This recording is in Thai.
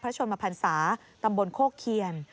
พระชนมภรรษาตำบลโฆเคียน